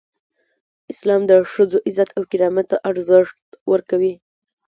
اسلام د ښځو عزت او کرامت ته ارزښت ورکوي.